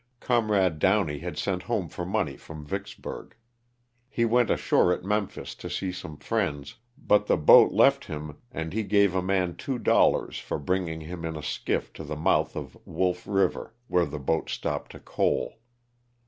Comrade Downey had sent home for money from Vicks burg. He went ashore at Memphis to see some friends, but the boat left him and he gave a man two dollars for bringing him in a skiff to the mouth of Wolf River where the boat stopped to coal.